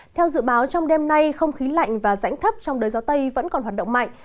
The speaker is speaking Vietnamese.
theo dự báo trong đêm nay không khí lạnh và rãnh thấp trong đời gió tây vẫn còn hoạt động mạnh